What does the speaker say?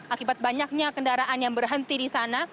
akibat banyaknya kendaraan yang berhenti di sana